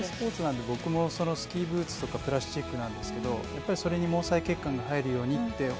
僕もスキーブーツとかプラスチックなんですけどそれに毛細血管が入るようにって